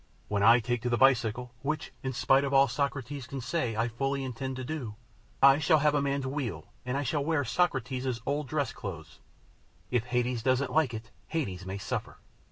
When I take to the bicycle, which, in spite of all Socrates can say, I fully intend to do, I shall have a man's wheel, and I shall wear Socrates' old dress clothes. If Hades doesn't like it, Hades may suffer."